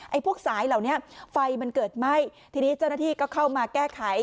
พวกสายเหล่านี้ไฟมันเกิดไหม้ทีนี้เจ้าหน้าที่ก็เข้ามาแก้ไข